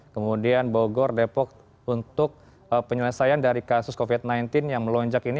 kemudian bogor depok untuk penyelesaian dari kasus covid sembilan belas yang melonjak ini